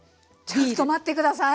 ちょっと待って下さい。